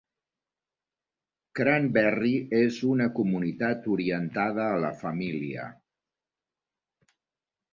Cranberry és una comunitat orientada a la família.